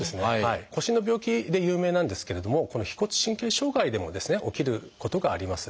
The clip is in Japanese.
腰の病気で有名なんですけれどもこの腓骨神経障害でもですね起きることがあります。